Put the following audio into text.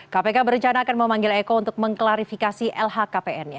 kpk berencana akan memanggil eko untuk mengklarifikasi lhkpn nya